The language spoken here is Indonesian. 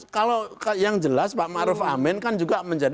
kalau yang jelas pak maruf amin kan juga menjadi